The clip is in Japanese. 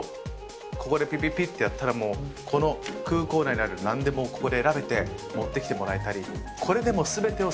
ここでぴぴぴってやったら、この空港内にあるなんでもここで選べて、持ってきてもらえたり。